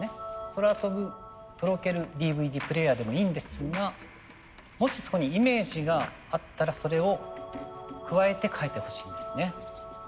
そらとぶとろけるＤＶＤプレーヤーでもいいんですがもしそこにイメージがあったらそれを加えて書いてほしいんですね。